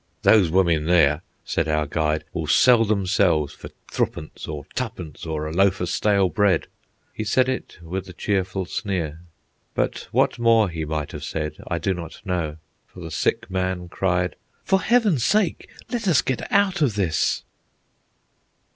"Those women there," said our guide, "will sell themselves for thru'pence, or tu'pence, or a loaf of stale bread." He said it with a cheerful sneer. But what more he might have said I do not know, for the sick man cried, "For heaven's sake let us get out of this."